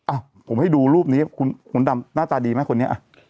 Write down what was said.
อ่ะผมให้ดูรูปนี้คุณดำหน้าตาดีไหมคนนี้